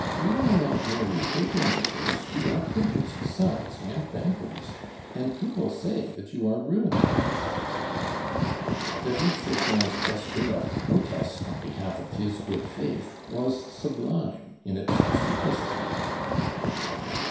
We are not merely paper makers, we are printers besides and bankers, and people say that you are ruining us." David Sechard's gesture of protest on behalf of his good faith was sublime in its simplicity.